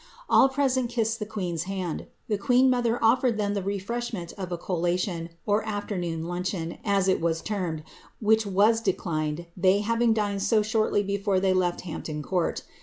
All present kissed the queen^s hand. The queen mother oflered tbem the refreshment of a collation, or afternoon luncheon, as it was termed, which was declined, they havin§r dined so shortly before they left Hampton Court.